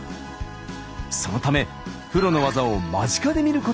そのためプロの技を間近で見ることもできるんです。